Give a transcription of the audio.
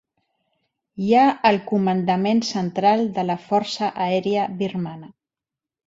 Hi ha el comandament central de la Força Aèria Birmana.